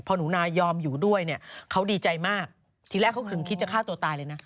พอหนูนายยอมอยู่ด้วยเนี่ยเขาดีใจมากทีแรกเขาถึงคิดจะฆ่าตัวตายเลยนะ